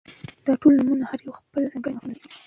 داټول نومونه هر يو خپل ځانګړى مفهوم ،